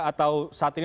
atau saat ini